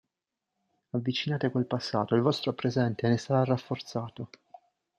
Avvicinate quel passato, il vostro presente ne sarà rafforzato.